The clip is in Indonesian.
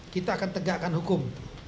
kita akan tegakkan hukum